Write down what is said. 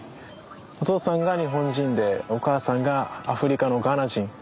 お父さんが日本人でお母さんがアフリカのガーナ人。